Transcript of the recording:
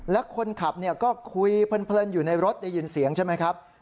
และคนขับก็คุยเพลินอยู่ในรถได้ยินเสียงใช่ไหมครับ